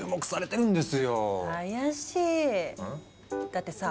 だってさ